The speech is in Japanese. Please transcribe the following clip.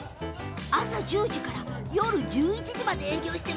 朝１０時から夜１１時まで営業。